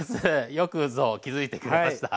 よくぞ気付いてくれました。